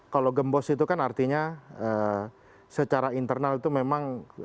kalau gembos itu kan artinya secara internal itu memang